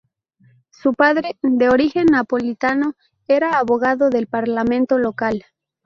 Su padre, de origen napolitano, era abogado del parlamento local.